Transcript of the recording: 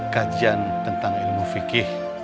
kajian tentang ilmu fiqih